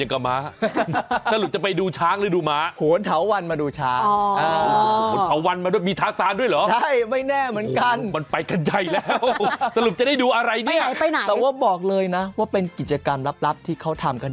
คู่กับสบัตรข่าว